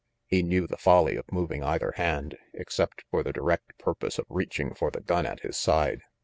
He knew the folly of moving either hand, except for the direct purpose of reaching for the gun at his side.